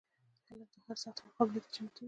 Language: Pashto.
هلک د هر سختي مقابلې ته چمتو وي.